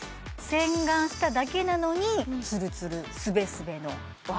洗顔しただけなのにツルツルスベスベのお肌